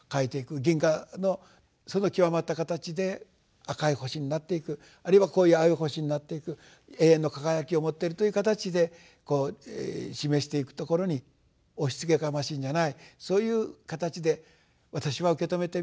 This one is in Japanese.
銀河のその極まった形で赤い星になっていくあるいはこういう青い星になっていく永遠の輝きを持っているという形でこう示していくところに押しつけがましいんじゃないそういう形で私は受け止めていますと。